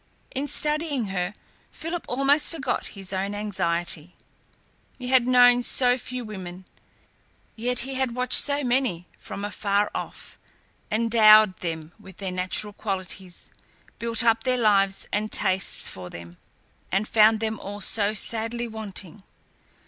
In studying her, Philip almost forgot his own anxiety. He had known so few women, yet he had watched so many from afar off, endowed them with their natural qualities, built up their lives and tastes for them, and found them all so sadly wanting.